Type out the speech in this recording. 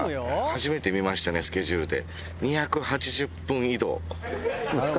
初めて見ましたねスケジュールで２８０分移動。